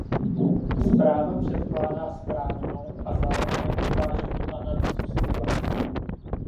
Zpráva předkládá správnou a zároveň vyváženou analýzu situace.